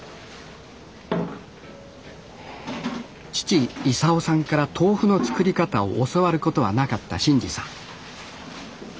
父勲さんから豆腐の作り方を教わることはなかった伸二さん。